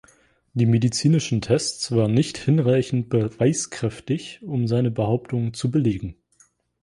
Die medizinischen Tests waren nicht hinreichend beweiskräftig, um seine Behauptung zu belegen.